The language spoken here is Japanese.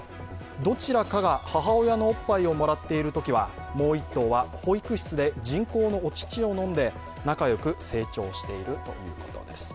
どちらかが母親のおっぱいをもらっているときはもう１頭は保育室で人工のお乳を飲んで仲良く成長しているということです。